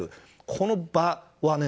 この場はね